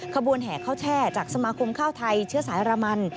ขบวนแห่ข้าวแช่จากสมาคมข้าวไทยเชื้อสายรามัน